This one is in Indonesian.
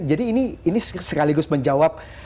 jadi ini sekaligus menjawab